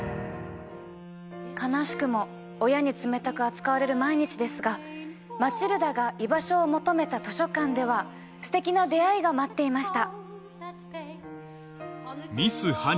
悲しくも親に冷たく扱われる毎日ですがマチルダが居場所を求めた図書館ではステキな出会いが待っていました。